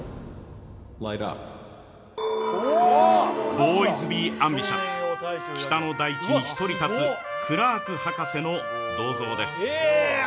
ボーイズ・ビー・アンビシャス、北の大地に１人立つ、クラーク博士の銅像です。